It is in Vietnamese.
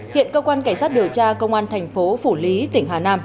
hiện cơ quan cảnh sát điều tra công an thành phố phủ lý tỉnh hà nam